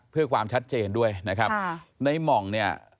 เพื่อความชัดเจนด้วยนะครับค่ะในหม่องเนี่ย